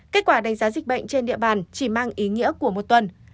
kết quả đánh giá dịch bệnh trên địa bàn chỉ mang ý nghĩa của một tuần